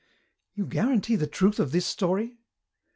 "You guarantee the truth of this story?"